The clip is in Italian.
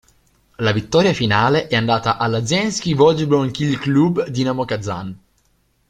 La vittoria finale è andata alla Ženskij volejbol'nyj klub Dinamo-Kazan'.